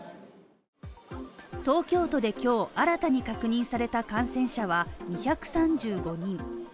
東京都で今日新たに確認された感染者は２３５人。